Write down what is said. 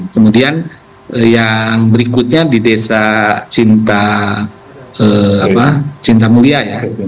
kemudian yang berikutnya di desa cinta mulia ya